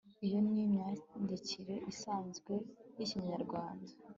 iyo ni myandikire isanzwe y'ikinyarwanda